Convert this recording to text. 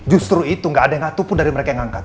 justru itu gak ada yang satu pun dari mereka yang ngangkat